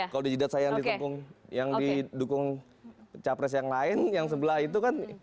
kalau di jidat saya yang didukung capres yang lain yang sebelah itu kan